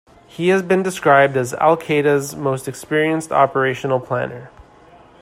He has been described as Al-Qaeda's most experienced operational planner.